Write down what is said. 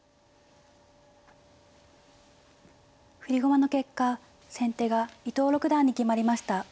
振り駒の結果先手が伊藤六段に決まりました。